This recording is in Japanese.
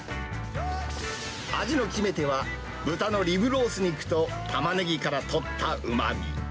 味の決め手は、豚のリブロース肉とタマネギから取ったうまみ。